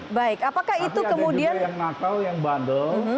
tapi ada juga yang nakal yang bandel